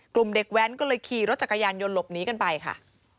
เด็กแว้นก็เลยขี่รถจักรยานยนต์หลบหนีกันไปค่ะ